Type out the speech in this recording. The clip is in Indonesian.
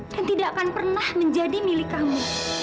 dan tidak akan pernah menjadi milik kamu